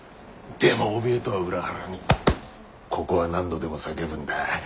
でもおびえとは裏腹にここは何度でも叫ぶんだ。